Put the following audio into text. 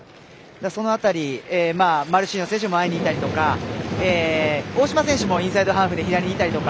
その辺り、マルシーニョ選手が前にいたりとか大島選手もインサイドハーフで左にいたりとか。